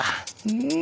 うん！